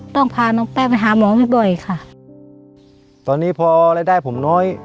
ต้องพาน้องแป้ไปหาหมอบ่อยค่ะตอนนี้พอรายได้ผมน้อย